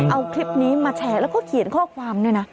เอาคลิปนี้มาแชร์แล้วก็เขียนข้อความด้วยนะ